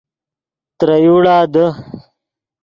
ترے یوڑا دے